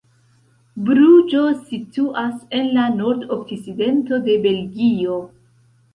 Bruĝo situas en la nordokcidento de Belgio.